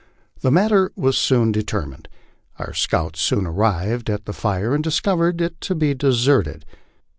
The matter was soon determined. Our scouts soon arrived at the fire, and discovered it to be deserted.